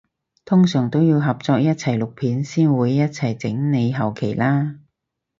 通常都要合作一齊錄片先會一齊整埋後期啦？